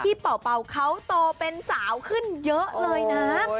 เป่าเขาโตเป็นสาวขึ้นเยอะเลยนะ